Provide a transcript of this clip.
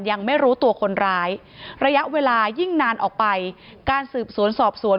ยังไม่รู้ตัวคนร้ายระยะเวลายิ่งนานออกไปการสืบสวนสอบสวน